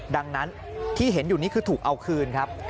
ดังนั้นที่เห็นอยู่นี้คือถูกเอาคืนครับ